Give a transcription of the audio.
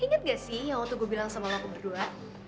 ingat gak sih yang waktu gue bilang sama aku berdua